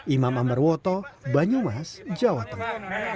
imam ambarwoto banyumas jawa tengah